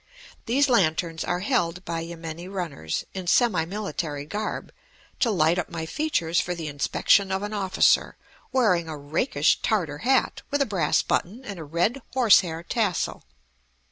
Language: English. These lanterns are held by yameni runners in semi military garb, to light up my features for the inspection of an officer wearing a rakish Tartar hat with a brass button and a red horse hair tassel.